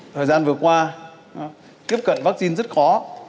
thời gian vừa qua tiếp cận vaccine rất khó